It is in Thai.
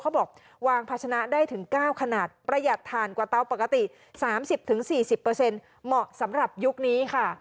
เขาบอกวางภาชนะได้ถึง๙ขนาดประหยัดถ่านกว่าเตาปกติ๓๐๔๐เหมาะสำหรับยุคนี้ค่ะ